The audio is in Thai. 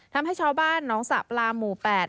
ทำให้ชาวบ้านน้องสับลามหมูแปด